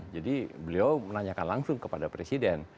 jadi beliau menanyakan langsung kepada presiden